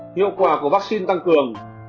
hiệu quả của vắc xin tăng cường